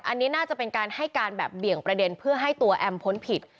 อันนี้น่าจะเป็นการให้การแบบเบี่ยงประเด็นเพื่อให้ตัวแอมพ้นผิด